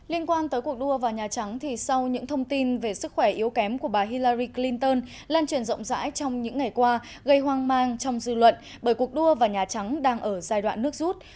liên quan tới cuộc đua vào nhà trắng thì sau những thông tin về sức khỏe yếu kém của bà hillari clinton lan truyền rộng rãi trong những ngày qua gây hoang mang trong dư luận bởi cuộc đua vào nhà trắng đang ở giai đoạn nước rút